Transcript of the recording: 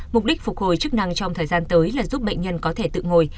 mục đích phục hồi chức năng trong thời gian tới là giúp bệnh nhân có thể tự ngồi